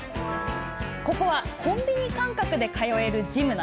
ここは、コンビニ感覚で通えるジム。